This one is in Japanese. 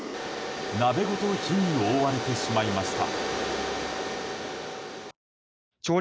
鍋ごと火に覆われてしまいました。